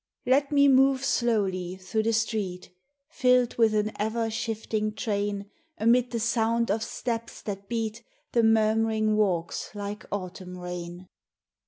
Let me move, slowly through the street, Filled with an ever shifting train, Amid the sound of steps that beat The murmuring walks like autumn rain.